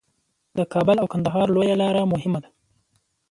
د کابل او کندهار لویه لار مهمه ده